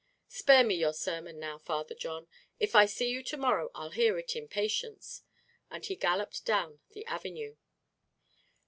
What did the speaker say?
"Spare me your sermon now, Father John; if I see you to morrow I'll hear it in patience," and he galloped down the avenue.